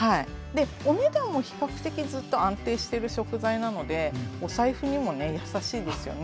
でお値段も比較的ずっと安定してる食材なのでお財布にもね優しいですよね。